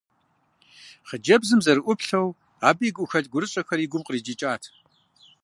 Хъыджэбзым зэрыӏуплъэу, абы и гухэлъ-гурыщӏэхэр и гум къриджыкӏат.